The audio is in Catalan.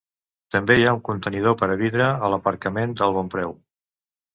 També hi ha un contenidor per a vidre a l'aparcament del Bonpreu.